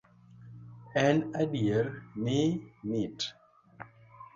En adier ni nit